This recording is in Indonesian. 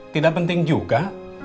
tidak penting juga